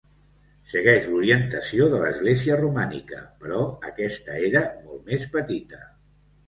Segueix l'orientació de l'església romànica, però aquesta era molt més petita.